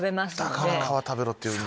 だから皮食べろって言う。